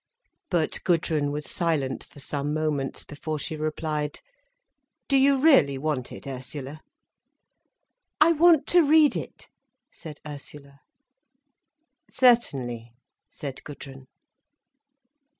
But Gudrun was silent for some moments, before she replied: "Do you really want it, Ursula?" "I want to read it," said Ursula. "Certainly," said Gudrun.